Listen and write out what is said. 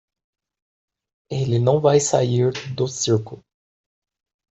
Ele não vai sair do círculo.